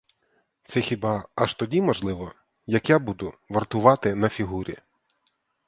Це хіба аж тоді можливо, як я буду вартувати на фігурі.